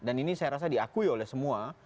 ini saya rasa diakui oleh semua